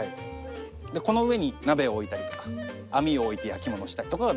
この上に鍋を置いたりとか網を置いて焼きものしたりとかができると。